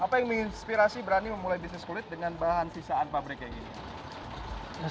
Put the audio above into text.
apa yang menginspirasi berani memulai bisnis kulit dengan bahan sisaan pabrik kayak gini